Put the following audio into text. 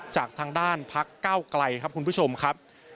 จากทางด้านพักเก้าไกลครับคุณผู้ชมครับ